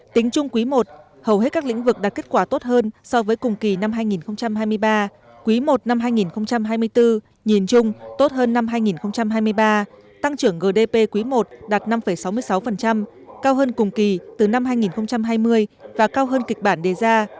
tính chung quý i hầu hết các lĩnh vực đạt kết quả tốt hơn so với cùng kỳ năm hai nghìn hai mươi ba quý i năm hai nghìn hai mươi bốn nhìn chung tốt hơn năm hai nghìn hai mươi ba tăng trưởng gdp quý i đạt năm sáu mươi sáu cao hơn cùng kỳ từ năm hai nghìn hai mươi và cao hơn kịch bản đề ra